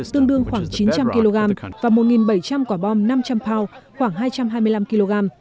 tương đương khoảng chín trăm linh kg và một bảy trăm linh quả bom năm trăm linh pound khoảng hai trăm hai mươi năm kg